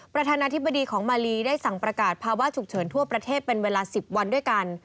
ประธานาธิบดีของมาลีได้สั่งประกาศภาวะฉุกเฉินทั่วประเทศเป็นเวลา๑๐วันด้วยกัน